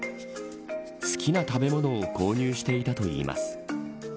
好きな食べ物を購入していたといいます。